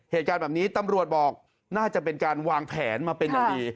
เหตุการณ์แบบนี้ตำรวจบอกน่าจะเป็นการวางแผนมาเป็นอย่างดี